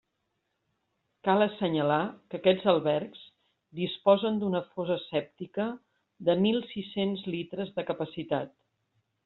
Cal assenyalar que aquests albergs disposen d'una fossa sèptica de mil sis-cents litres de capacitat.